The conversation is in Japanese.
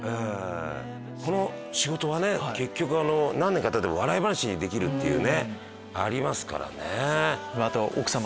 この仕事は結局何年かたてば笑い話にできるっていうねありますからね。